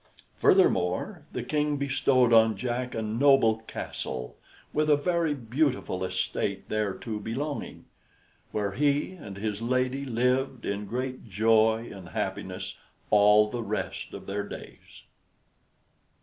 Furthermore, the King bestowed on Jack a noble castle, with a very beautiful estate thereto belonging, where he and his lady lived in great joy and happiness all the rest of their days.